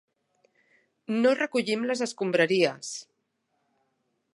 No recollim les escombraries.